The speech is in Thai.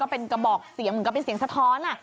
เป็นกระบอกเสียงเหมือนกับเป็นเสียงสะท้อน